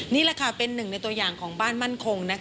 นี่แหละค่ะเป็นหนึ่งในตัวอย่างของบ้านมั่นคง